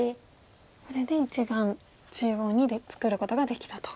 これで１眼中央に作ることができたと。